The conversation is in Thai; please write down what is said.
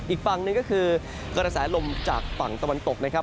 อีกฝั่งหนึ่งก็คือกระแสลมจากฝั่งตะวันตกนะครับ